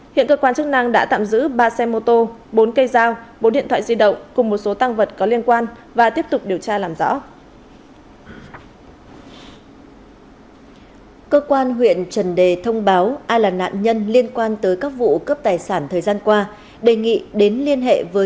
hiện cơ quan chức năng đã tạm giữ ba xe mô tô bốn cây dao bốn điện thoại di động cùng một số tăng vật có liên quan và tiếp tục điều tra làm rõ